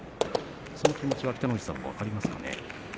その気持ちは北の富士さん分かりますか？